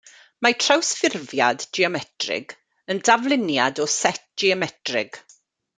Mae trawsffurfiad geometrig yn dafluniad o set geometrig.